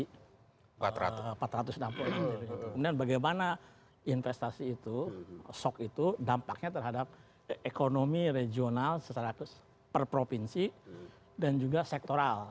kemudian bagaimana investasi itu shock itu dampaknya terhadap ekonomi regional secara per provinsi dan juga sektoral